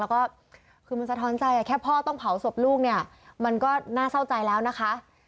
แล้วก็คือมันสะท้อนใจแค่พ่อต้องเผาศพลูกเนี่ยมันก็น่าเศร้าใจแล้วนะคะ